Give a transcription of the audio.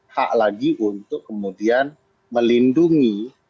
hak lagi untuk kemudian melindungi